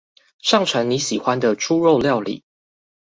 上傳你喜歡的豬肉料理